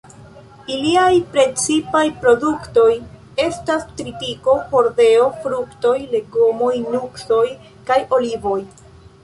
Iliaj precipaj produktoj estas tritiko, hordeo, fruktoj, legomoj, nuksoj, kaj olivoj.